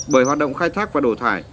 bởi hoạt động khai thác và đổ thải